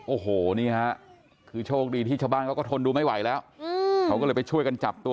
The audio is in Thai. โอ้โหนี่ฮะคือโชคดีที่ชาวบ้านเขาก็ทนดูไม่ไหวแล้วเขาก็เลยไปช่วยกันจับตัว